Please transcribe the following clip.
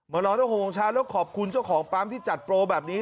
รอตั้ง๖โมงเช้าแล้วขอบคุณเจ้าของปั๊มที่จัดโปรแบบนี้